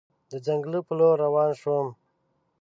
د ځنګله په لور روان شوم.